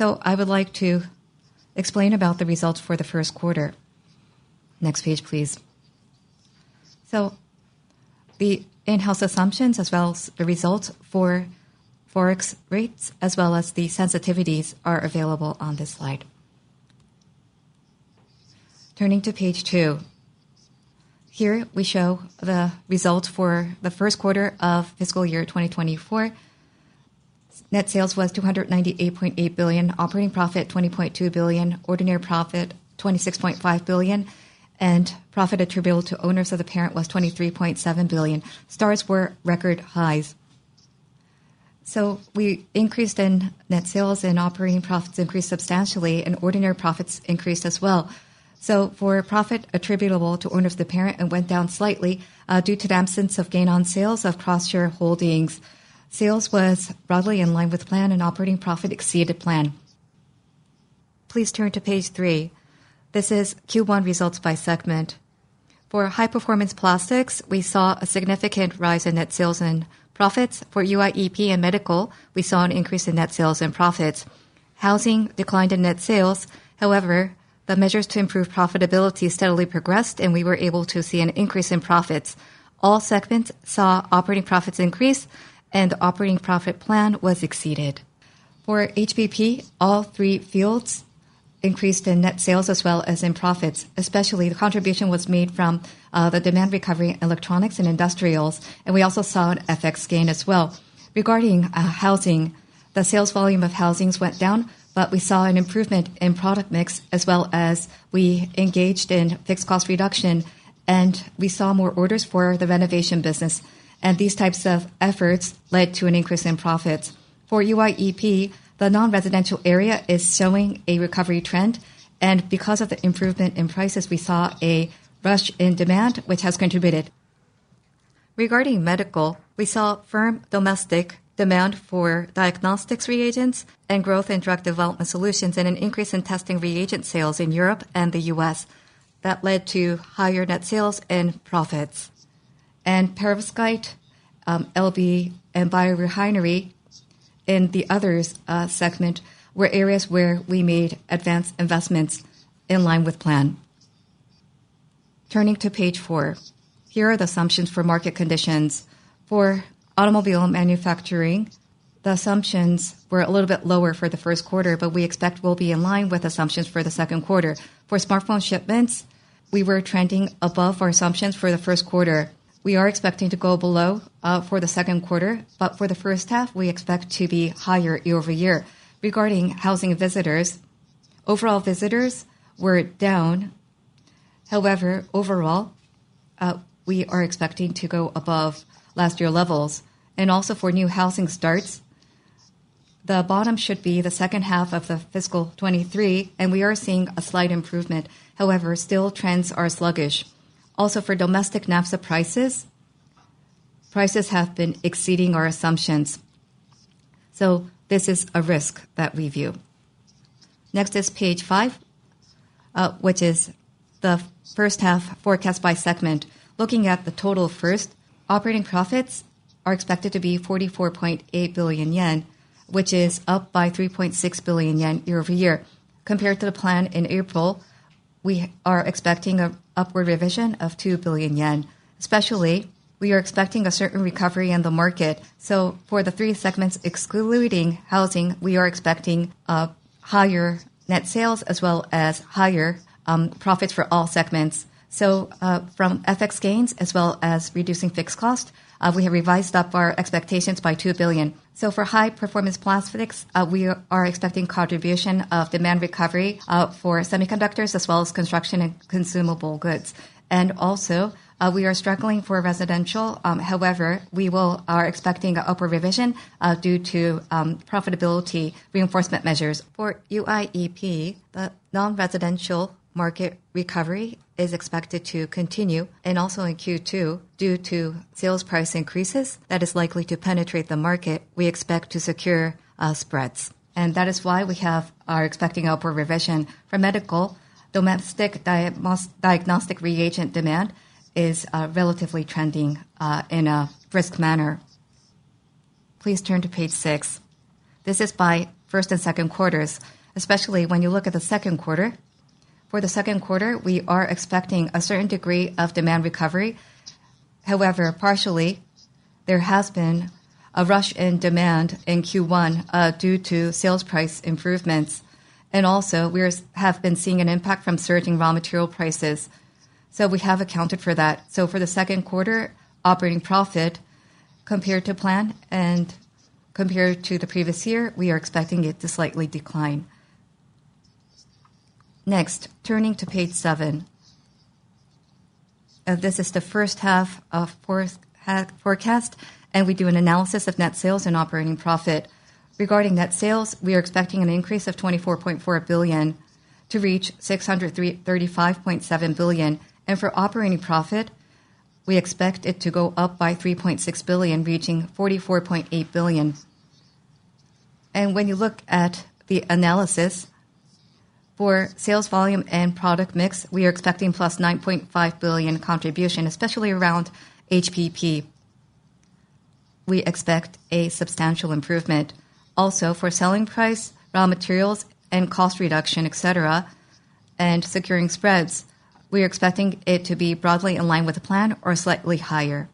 I would like to explain about the results for the first quarter. Next page, please. The in-house assumptions, as well as the results for forex rates, as well as the sensitivities, are available on this slide. Turning to page 2, here we show the results for the first quarter of fiscal year 2024. Net sales was 298.8 billion, operating profit 20.2 billion, ordinary profit 26.5 billion, and profit attributable to owners of the parent was 23.7 billion. Sales were record highs. We increased in net sales, and operating profits increased substantially, and ordinary profits increased as well. For profit attributable to owners of the parent, it went down slightly due to the absence of gain on sales of cross-shareholdings. Sales was broadly in line with plan, and operating profit exceeded plan. Please turn to page 3. This is Q1 results by segment. For High Performance Plastics, we saw a significant rise in net sales and profits. For UIEP and Medical, we saw an increase in net sales and profits. Housing declined in net sales. However, the measures to improve profitability steadily progressed, and we were able to see an increase in profits. All segments saw operating profits increase, and the operating profit plan was exceeded. For HPP, all three fields increased in net sales as well as in profits. Especially, the contribution was made from the demand recovery in electronics and industrials, and we also saw an FX gain as well. Regarding housing, the sales volume of housings went down, but we saw an improvement in product mix, as well as we engaged in fixed cost reduction, and we saw more orders for the renovation business. These types of efforts led to an increase in profits. For UIEP, the non-residential area is showing a recovery trend, and because of the improvement in prices, we saw a rush in demand, which has contributed. Regarding medical, we saw firm domestic demand for Diagnostics Reagents and growth in Drug Development Solutions, and an increase in testing reagent sales in Europe and the U.S. That led to higher net sales and profits. Perovskite, LV, and Biorefinery in the others segment were areas where we made advanced investments in line with plan. Turning to page four, here are the assumptions for market conditions. For automobile manufacturing, the assumptions were a little bit lower for the first quarter, but we expect will be in line with assumptions for the second quarter. For smartphone shipments, we were trending above our assumptions for the first quarter. We are expecting to go below for the second quarter, but for the first half, we expect to be higher year-over-year. Regarding housing visitors, overall visitors were down. However, overall, we are expecting to go above last year's levels. Also for new housing starts, the bottom should be the second half of the fiscal 2023, and we are seeing a slight improvement. However, still, trends are sluggish. Also for domestic NAFSA prices, prices have been exceeding our assumptions. So this is a risk that we view. Next is page five, which is the first half forecast by segment. Looking at the total first, operating profits are expected to be 44.8 billion yen, which is up by 3.6 billion yen year-over-year. Compared to the plan in April, we are expecting an upward revision of 2 billion yen. Especially, we are expecting a certain recovery in the market. So for the three segments excluding housing, we are expecting higher net sales as well as higher profits for all segments. So from FX gains, as well as reducing fixed cost, we have revised up our expectations by 2 billion. So for High Performance Plastics, we are expecting contribution of demand recovery for semiconductors, as well as construction and consumable goods. And also, we are struggling for residential. However, we are expecting an upward revision due to profitability reinforcement measures. For UIEP, the non-residential market recovery is expected to continue and also in Q2 due to sales price increases that is likely to penetrate the market. We expect to secure spreads. And that is why we are expecting an upward revision. For medical, domestic diagnostic reagent demand is relatively trending in a brisk manner. Please turn to page six. This is by first and second quarters, especially when you look at the second quarter. For the second quarter, we are expecting a certain degree of demand recovery. However, partially, there has been a rush in demand in Q1 due to sales price improvements. And also, we have been seeing an impact from surging raw material prices. We have accounted for that. For the second quarter, operating profit compared to plan and compared to the previous year, we are expecting it to slightly decline. Next, turning to page seven. This is the first half of forecast, and we do an analysis of net sales and operating profit. Regarding net sales, we are expecting an increase of 24.4 billion to reach 635.7 billion. For operating profit, we expect it to go up by 3.6 billion, reachingJPY 44.8 billion. When you look at the analysis, for sales volume and product mix, we are expecting plus 9.5 billion contribution, especially around HPP. We expect a substantial improvement. Also, for selling price, raw materials, and cost reduction, etc., and securing spreads, we are expecting it to be broadly in line with plan or slightly higher.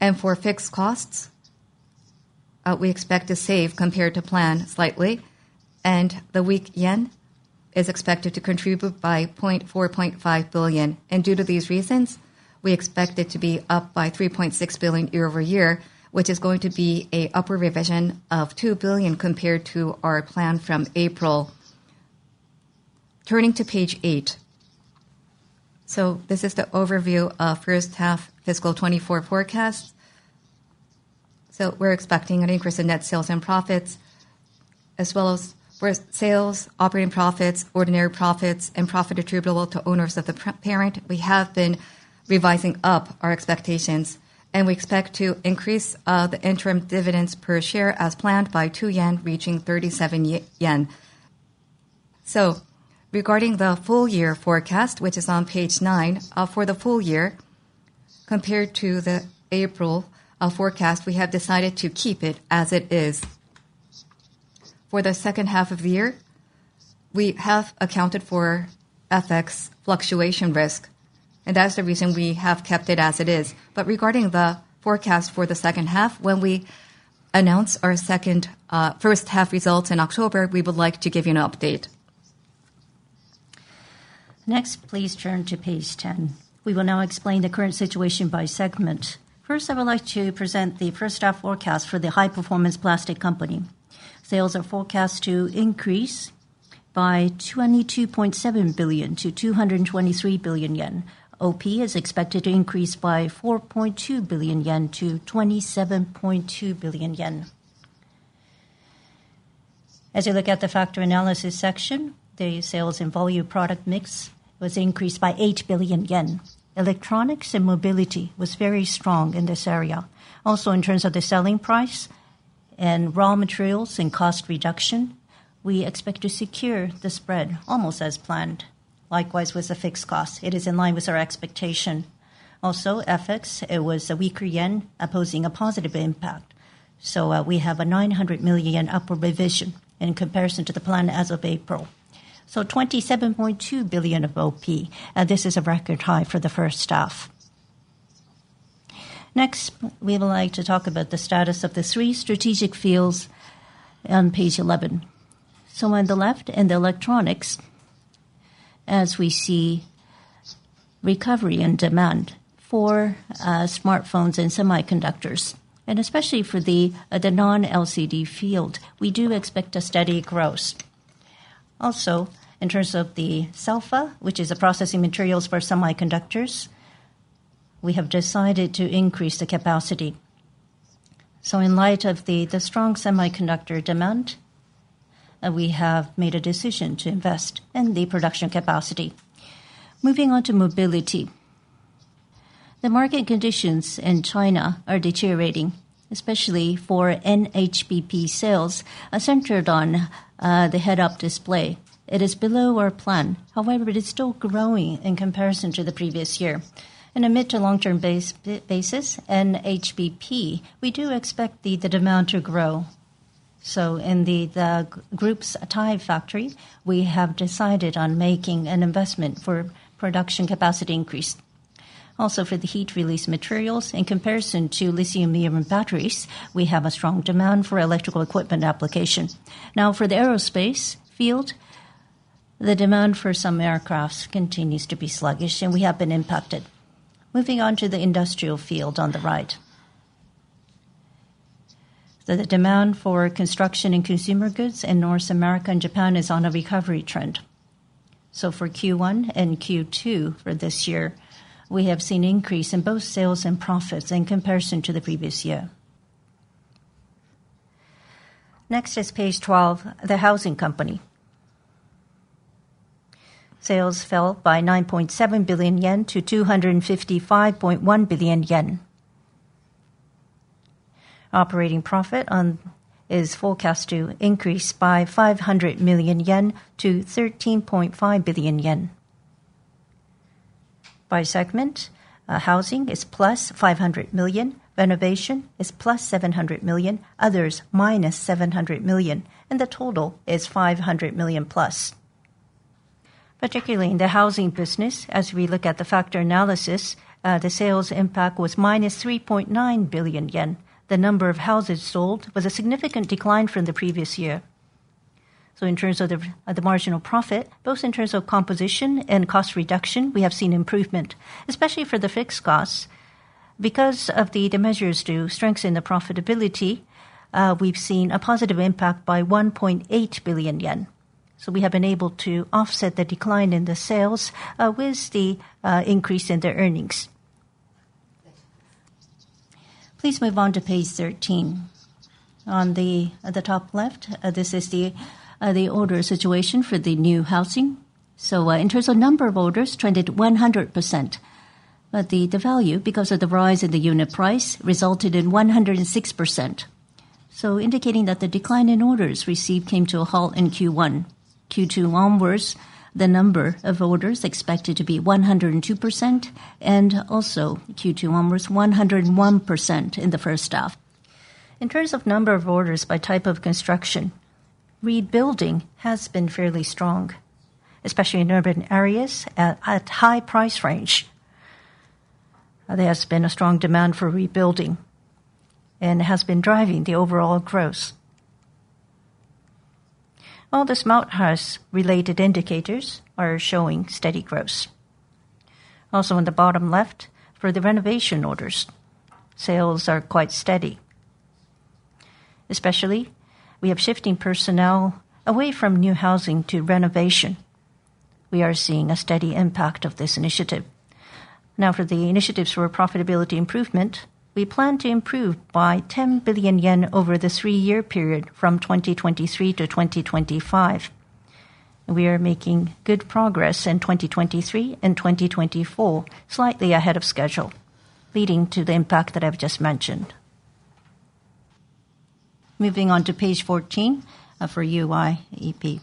And for fixed costs, we expect to save compared to plan slightly, and the weak yen is expected to contribute by 0.45 billion. And due to these reasons, we expect it to be up by 3.6 billion year-over-year, which is going to be an upward revision of 2 billion compared to our plan from April. Turning to page 8. So this is the overview of first half fiscal 2024 forecast. So we're expecting an increase in net sales and profits, as well as sales operating profits, ordinary profits, and profit attributable to owners of the parent. We have been revising up our expectations, and we expect to increase the interim dividends per share as planned by 2 yen, reaching 37 yen. So regarding the full year forecast, which is on page 9, for the full year compared to the April forecast, we have decided to keep it as it is. For the second half of the year, we have accounted for FX fluctuation risk, and that's the reason we have kept it as it is. But regarding the forecast for the second half, when we announce our first half results in October, we would like to give you an update. Next, please turn to page 10. We will now explain the current situation by segment. First, I would like to present the first half forecast for the High Performance Plastics Company. Sales are forecast to increase by 22.7 billion to 223 billion yen. OP is expected to increase by 4.2 billion yen to 27.2 billion yen. As you look at the factor analysis section, the sales and volume product mix was increased by 8 billion yen. Electronics and mobility was very strong in this area. Also, in terms of the selling price and raw materials and cost reduction, we expect to secure the spread almost as planned. Likewise, with the fixed cost, it is in line with our expectation. Also, FX, it was a weaker yen imposing a positive impact. So we have a 900 million upward revision in comparison to the plan as of April. So 27.2 billion of OP, and this is a record high for the first half. Next, we would like to talk about the status of the three strategic fields on page 11. So on the left in the electronics, as we see recovery and demand for smartphones and semiconductors, and especially for the non-LCD field, we do expect a steady growth. Also, in terms of the SELFA, which is a processing materials for semiconductors, we have decided to increase the capacity. So in light of the strong semiconductor demand, we have made a decision to invest in the production capacity. Moving on to mobility. The market conditions in China are deteriorating, especially for NHBP sales, centered on the head-up display. It is below our plan. However, it is still growing in comparison to the previous year. In a mid- to long-term basis, NHBP, we do expect the demand to grow. So in the group's Thai factory, we have decided on making an investment for production capacity increase. Also, for the Heat-release Materials, in comparison to lithium-ion batteries, we have a strong demand for electrical equipment application. Now, for the aerospace field, the demand for some aircraft continues to be sluggish, and we have been impacted. Moving on to the industrial field on the right. The demand for construction and consumer goods in North America and Japan is on a recovery trend. So for Q1 and Q2 for this year, we have seen an increase in both sales and profits in comparison to the previous year. Next is page 12, the Housing Company. Sales fell by 9.7 billion yen to 255.1 billion yen. Operating profit is forecast to increase by 500 million yen to 13.5 billion yen. By segment, Housing is + 500 million, renovation is + 700 million, others minus 700 million, and the total is 500 million plus. Particularly in the housing business, as we look at the factor analysis, the sales impact was minus 3.9 billion yen. The number of houses sold was a significant decline from the previous year. So in terms of the marginal profit, both in terms of composition and cost reduction, we have seen improvement, especially for the fixed costs. Because of the measures to strengthen the profitability, we've seen a positive impact by 1.8 billion yen. So we have been able to offset the decline in the sales with the increase in the earnings. Please move on to page 13. On the top left, this is the order situation for the new housing. So in terms of number of orders, trended 100%. But the value, because of the rise in the unit price, resulted in 106%. So indicating that the decline in orders received came to a halt in Q1. Q2 onwards, the number of orders expected to be 102%, and also Q2 onwards, 101% in the first half. In terms of number of orders by type of construction, rebuilding has been fairly strong, especially in urban areas at high price range. There has been a strong demand for rebuilding, and it has been driving the overall growth. All the smart house-related indicators are showing steady growth. Also, on the bottom left, for the renovation orders, sales are quite steady. Especially, we have shifting personnel away from new housing to renovation. We are seeing a steady impact of this initiative. Now, for the initiatives for profitability improvement, we plan to improve by 10 billion yen over the three-year period from 2023 to 2025. We are making good progress in 2023 and 2024, slightly ahead of schedule, leading to the impact that I've just mentioned. Moving on to page 14 for UIEP.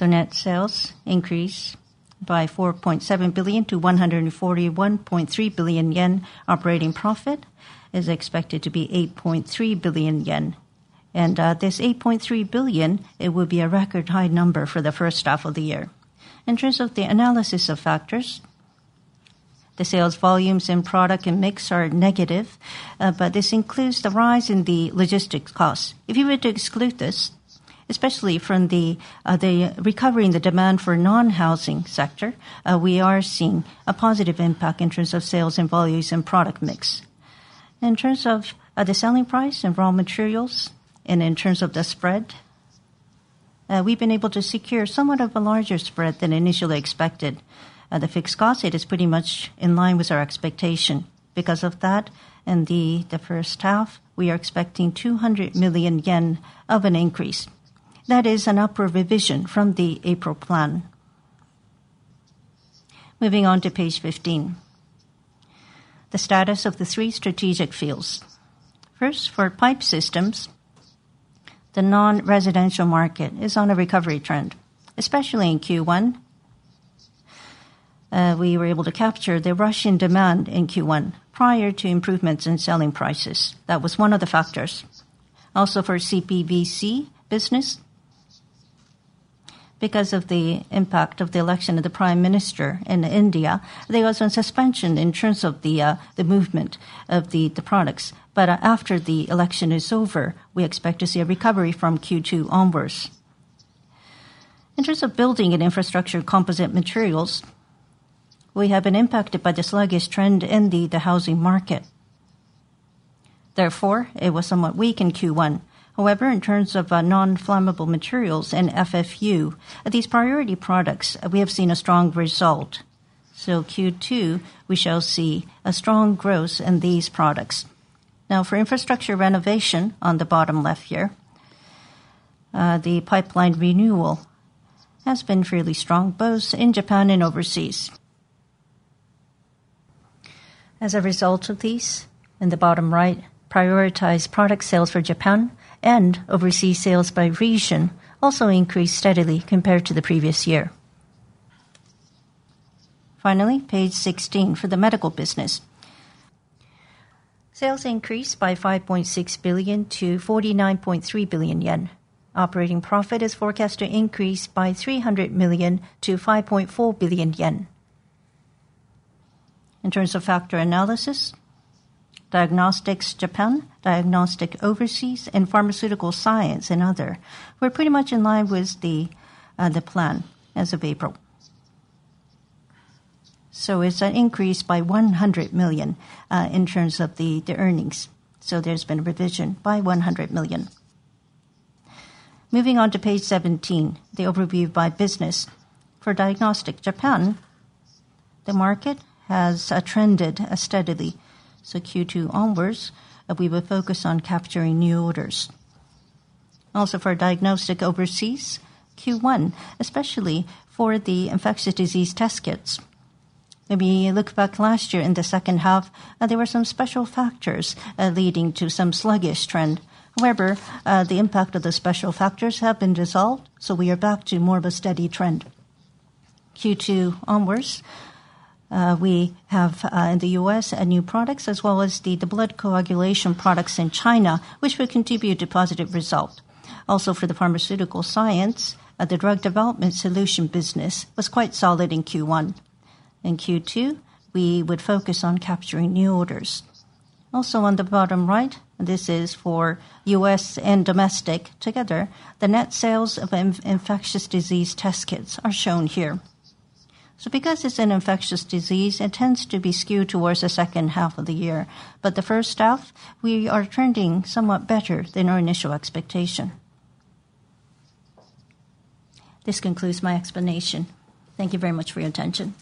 Net sales increase by 4.7 billion to 141.3 billion yen. Operating profit is expected to be 8.3 billion yen. This 8.3 billion, it will be a record high number for the first half of the year. In terms of the analysis of factors, the sales volumes and product and mix are negative, but this includes the rise in the logistics costs. If you were to exclude this, especially from the recovery in the demand for non-housing sector, we are seeing a positive impact in terms of sales and volumes and product mix. In terms of the selling price and raw materials, and in terms of the spread, we've been able to secure somewhat of a larger spread than initially expected. The fixed cost, it is pretty much in line with our expectation. Because of that, in the first half, we are expecting 200 million yen of an increase. That is an upward revision from the April plan. Moving on to page 15. The status of the three strategic fields. First, for pipe systems, the non-residential market is on a recovery trend, especially in Q1. We were able to capture the rush in demand in Q1 prior to improvements in selling prices. That was one of the factors. Also, for CPVC business, because of the impact of the election of the Prime Minister in India, there was a suspension in terms of the movement of the products. But after the election is over, we expect to see a recovery from Q2 onwards. In terms of building and infrastructure composite materials, we have been impacted by the sluggish trend in the housing market. Therefore, it was somewhat weak in Q1. However, in terms of non-flammable materials and FFU, these priority products, we have seen a strong result. So Q2, we shall see a strong growth in these products. Now, for infrastructure renovation on the bottom left here, the pipeline renewal has been fairly strong, both in Japan and overseas. As a result of these, in the bottom right, prioritized product sales for Japan and overseas sales by region also increased steadily compared to the previous year. Finally, page 16 for the medical business. Sales increased by 5.6 billion to 49.3 billion yen. Operating profit is forecast to increase by 300 million to 5.4 billion yen. In terms of factor analysis, diagnostics Japan, diagnostic overseas, and Pharmaceutical Science and other, we're pretty much in line with the plan as of April. So it's an increase by 100 million in terms of the earnings. So there's been a revision by 100 million. Moving on to page 17, the overview by business. For diagnostic Japan, the market has trended steadily. So Q2 onwards, we will focus on capturing new orders. Also, for Diagnostic Overseas, Q1, especially for the infectious disease test kits. If we look back last year in the second half, there were some special factors leading to some sluggish trend. However, the impact of the special factors has been resolved, so we are back to more of a steady trend. Q2 onwards, we have in the U.S. new products as well as the blood coagulation products in China, which will contribute to positive results. Also, for the Pharmaceutical Science, theDrug Development Solution business was quite solid in Q1. In Q2, we would focus on capturing new orders. Also, on the bottom right, this is for U.S. and domestic together. The net sales of infectious disease test kits are shown here. So because it's an infectious disease, it tends to be skewed towards the second half of the year. But the first half, we are trending somewhat better than our initial expectation. This concludes my explanation. Thank you very much for your attention.